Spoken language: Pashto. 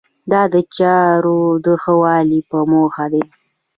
دا د چارو د ښه والي په موخه دی.